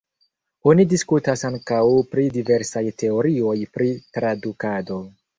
Oni diskutas ankaŭ pri diversaj teorioj pri tradukado.